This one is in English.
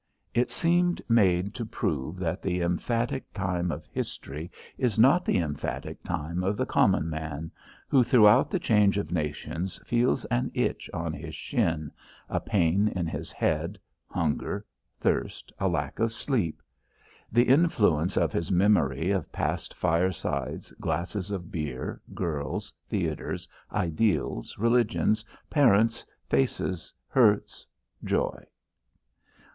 It seemed made to prove that the emphatic time of history is not the emphatic time of the common man, who throughout the change of nations feels an itch on his shin, a pain in his head, hunger, thirst, a lack of sleep; the influence of his memory of past firesides, glasses of beer, girls, theatres, ideals, religions, parents, faces, hurts, joy.